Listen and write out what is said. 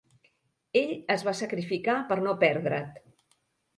Ell es va sacrificar per no perdre't.